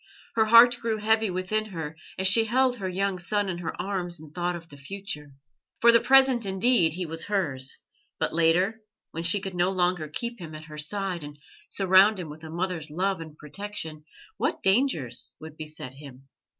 Her heart grew heavy within her as she held her young son in her arms and thought of the future. For the present indeed he was hers; but later, when she could no longer keep him at her side and surround him with a mother's love and protection, what dangers would beset him?